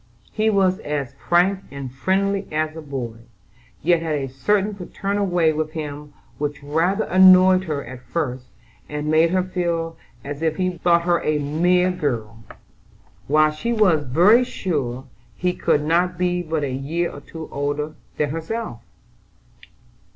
He was as frank and friendly as a boy, yet had a certain paternal way with him which rather annoyed her at first, and made her feel as if he thought her a mere girl, while she was very sure he could not be but a year or two older than herself.